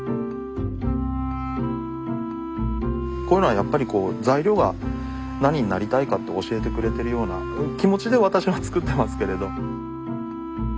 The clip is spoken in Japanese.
こういうのはやっぱりこう材料が何になりたいかって教えてくれてるような気持ちで私は作ってますけれど。